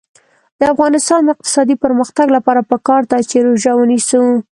د افغانستان د اقتصادي پرمختګ لپاره پکار ده چې روژه ونیسو.